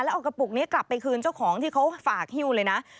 เอากระปุกนี้กลับไปคืนเจ้าของที่เขาฝากฮิ้วเลยนะ